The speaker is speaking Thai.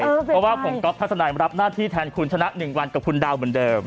เพราะว่าผมก๊อฟทัศนายมารับหน้าที่แทนคุณชนะ๑วันกับคุณดาวเหมือนเดิม